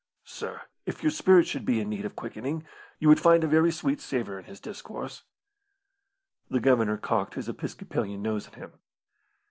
Sir, if your spirit should be in need of quickening, you would find a very sweet savour in his discourse." The Governor cocked his episcopalian nose at him.